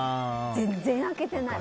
全然、開けてない。